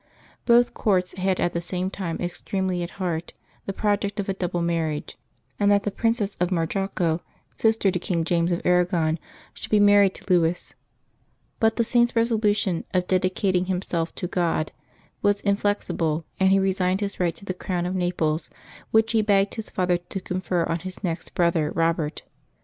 Both courts had at the same time extremely at heart the project of a double marriage, and that the princess of Majorca, sister to King James of Arragon, should be married to Louis, but the Saint's resolution of dedicating himself to God was in flexible, and he resigned his right to the crown of Naples, which he begged his father to confer on his next brother, Eobert.